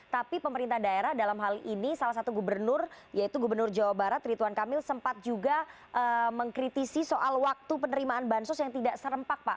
tapi pemerintah daerah dalam hal ini salah satu gubernur yaitu gubernur jawa barat rituan kamil sempat juga mengkritisi soal waktu penerimaan bansos yang tidak serempak pak